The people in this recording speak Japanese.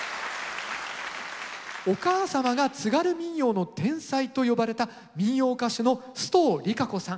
お母様が「津軽民謡の天才」と呼ばれた民謡歌手の須藤理香子さん。